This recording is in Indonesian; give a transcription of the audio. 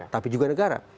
tapi juga negara